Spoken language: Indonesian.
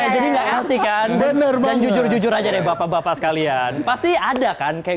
jadi enggak enggak bener bener jujur jujur aja bapak bapak sekalian pasti ada kan kayak